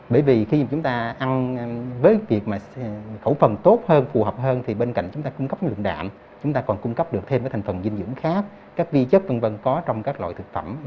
bởi vì khi chúng ta ăn với việc khẩu phần tốt hơn phù hợp hơn thì bên cạnh chúng ta cung cấp lượng đạm chúng ta còn cung cấp được thêm cái thành phần dinh dưỡng khác các vi chất v v có trong các loại thực phẩm